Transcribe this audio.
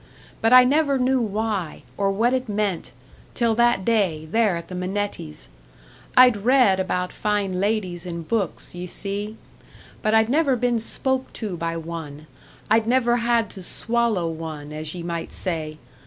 But I never knew why, or what it meant till that day, there at the Minettis'. I'd read about fine ladies in books, ye see; but I'd never been spoke to by one, I'd never had to swallow one, as ye might say.